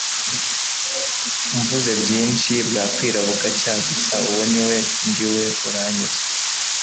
mvuze byinshi bwa kwira bugacya gusa uwo niwe ndiwe uranyuzwe